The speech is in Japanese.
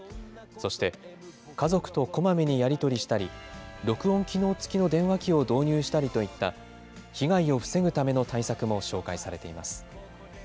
そして、家族とこまめにやり取りしたり、録音機能付きの電話機を導入したりといった、被害を防ぐための対策も紹介されています。